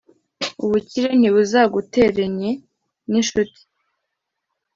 ubukire ntibuzaguterenye ninshuti